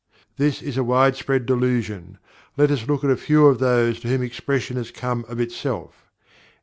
This is a wide spread delusion. Let us look at a few of those to whom expression has come of itself.